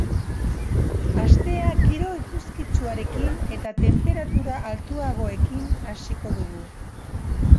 Astea giro eguzkitsuarekin eta tenperatura altuagoekin hasiko dugu.